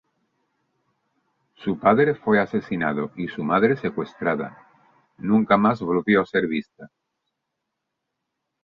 Su padre fue asesinado, y su madre secuestrada, nunca más volvió a ser vista.